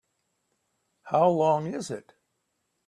How long is it?